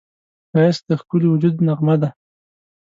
ښایست د ښکلي وجود نغمه ده